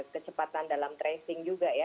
kecepatan dalam tracing juga ya